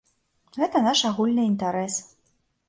Гэта наш агульны інтарэс.